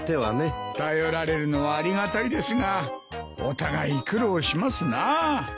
頼られるのはありがたいですがお互い苦労しますなぁ。